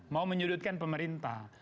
mau menyudutkan pemerintah